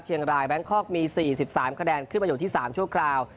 เชียงรายแบงค์คอกมีสี่สิบสามคะแดนขึ้นมาอยู่ที่สามชั่วคราว